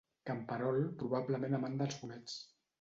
Camperol, probablement amant dels bolets.